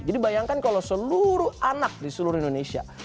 jadi bayangkan kalau seluruh anak di seluruh indonesia